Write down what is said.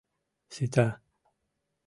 — Сита...